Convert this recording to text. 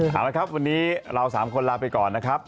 เอาละครับวันนี้เรา๓คนลาไปก่อนนะครับ